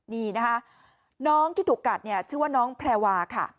นี่นะคะน้องที่ถูกกัดเนี่ยชื่อว่าน้องแพรวาค่ะ